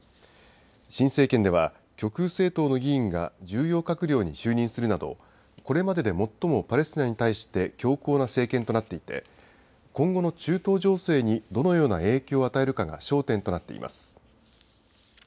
新政権では、極右政党の議員が重要閣僚に就任するなど、これまでで最もパレスチナに対して強硬な政権となっていて、今後の中東情勢にどのような影響を与えるかが焦点となっています。